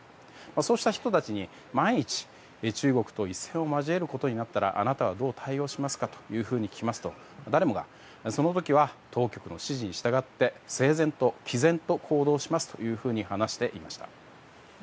そうした人たちに万一、中国と一戦を交えることになったらあなたはどう対応しますか？と聞きますと誰もが、その時は当局の指示に従って整然と毅然と行動しますと話していました。